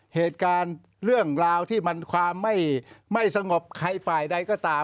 เหตุการณ์เรื่องราวที่มันความไม่สงบใครฝ่ายใดก็ตาม